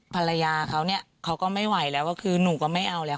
ภรรยาเขาเนี่ยเขาก็ไม่ไหวแล้วก็คือหนูก็ไม่เอาแล้ว